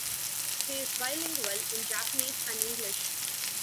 He is bilingual in Japanese and English.